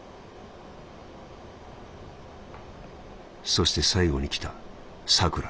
「そして最後に来たさくら。